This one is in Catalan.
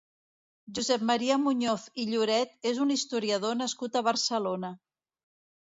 Josep Maria Muñoz i Lloret és un historiador nascut a Barcelona.